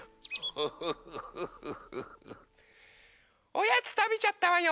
・おやつたべちゃったわよ。